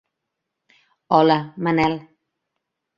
Hola, Manel.